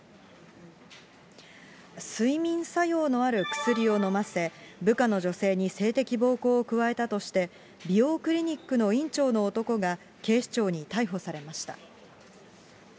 睡眠作用のある薬を飲ませ、部下の女性に性的暴行を加えたとして、美容クリニックの院長の男が警視庁に逮捕されました。